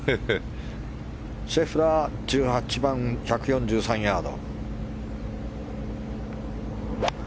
シェフラー、１８番１４３ヤード。